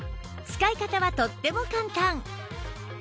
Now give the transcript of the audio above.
使い方はとっても簡単